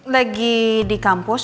lagi di kampus